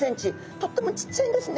とってもちっちゃいんですね。